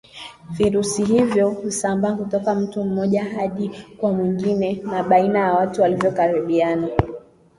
Virusi hivyo husambaa kutoka mtu mmoja hadi kwa mwingine na baina ya watu waliokaribiana